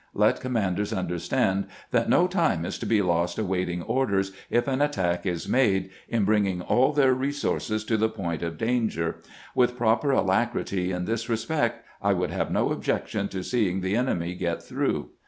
Let commanders understand that no time is to be lost awaiting orders, if an attack is made, in bringing all their resources to the point of danger. With proper alacrity in this respect, I would have no objection to seeing the enemy get through."